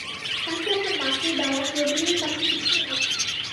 তাহাকে একটা মাকড়ি দেওয়া প্রবীরের কাছে কিছুই নয়।